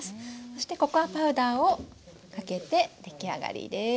そしてココアパウダーをかけて出来上がりです。